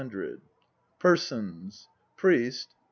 PERSONS PRIEST.